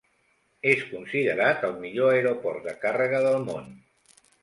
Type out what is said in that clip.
És considerat el millor aeroport de càrrega del món.